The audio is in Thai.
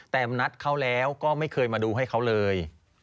แต่นัดเขาแล้วก็ไม่เคยมาดูให้เขาเลย